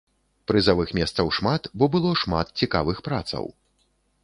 Прызавых месцаў шмат, бо было шмат цікавых працаў.